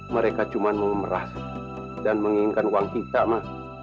mereka cuma memerah dan menginginkan uang kita ma